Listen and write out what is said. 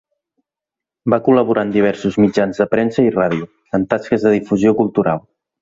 Va col·laborar en diversos mitjans de premsa i ràdio, en tasques de difusió cultural.